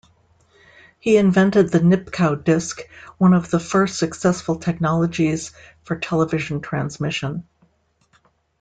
He invented the Nipkow disk, one of the first successful technologies for television transmission.